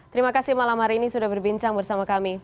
terimakasih malam hari ini sudah berbincang bersama kami